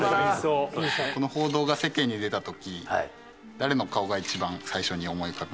この報道が世間に出た時誰の顔が一番最初に思い浮かびましたか？